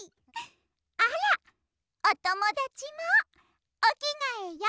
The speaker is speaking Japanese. あらおともだちもおきがえよ。